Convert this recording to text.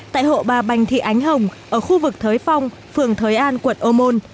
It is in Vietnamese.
tại hộ bà bành thị ánh hồng ở khu vực thới phong phường thới an quận ô môn